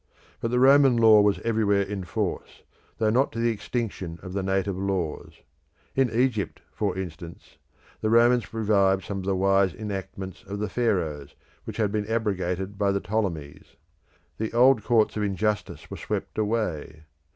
But the Roman law was everywhere in force, though not to the extinction of the native laws. In Egypt, for instance, the Romans revived some of the wise enactments of the Pharaohs which had been abrogated by the Ptolemies. The old courts of injustice were swept away.